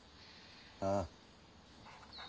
ああ。